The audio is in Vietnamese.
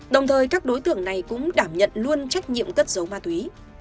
đồng thời các đối tượng này cũng đảm nhận luôn trách nhiệm cất dấu ma túy